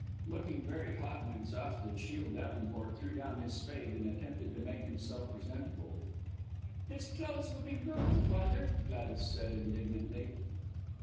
Looking very hot and exhausted, Shiel Davenport threw down his spade and attempted to make himself presentable. "His clothes will be ruined, Father," Gladys said, indignantly.